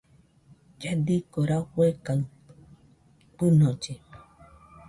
Lladiko rafue kaɨ fɨnolle.